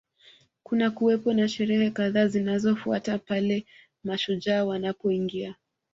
Kunakuwepo na sherehe kadhaa zinazofuatana pale mashujaa wanapoingia